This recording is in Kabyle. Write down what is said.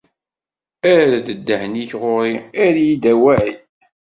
Err-d ddehn-ik ɣur-i, err-iyi-d awal!